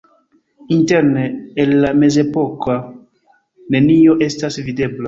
Interne el la mezepoko nenio estas videbla.